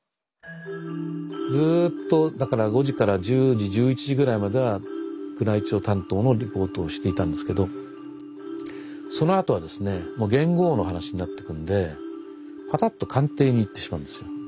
ずっとだから５時から１０時１１時ぐらいまでは宮内庁担当のリポートをしていたんですけどそのあとはですねもう元号の話になってくんでパタッと官邸に行ってしまうんですよ。